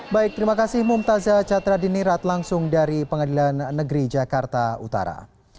baik terima kasih mumtazah catra dinirat langsung dari pengadilan negeri jakarta utara